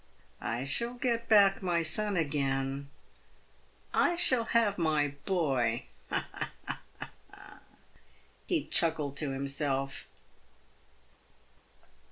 " I shall get back my son again ; I shall have my boy — ha ! ha !" he chuckled to himself.